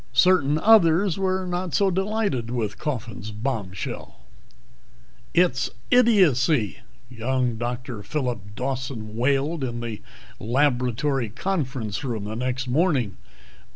Certain others were not so delighted with Coffin's bombshell. "It's idiocy!" young Dr. Phillip Dawson wailed in the laboratory conference room the next morning.